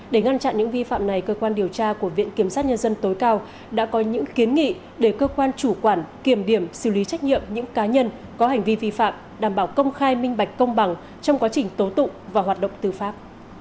để ngăn chặn những vi phạm này cơ quan điều tra của viện kiểm sát nhân dân tối cao đã có những kiến nghị để cơ quan chủ quản kiểm điểm xử lý trách nhiệm những cá nhân có hành vi vi phạm đảm bảo công khai minh bạch công bằng trong quá trình tố tụng và hoạt động tư pháp